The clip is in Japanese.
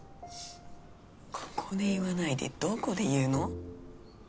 ここで言わないでどこで言うの？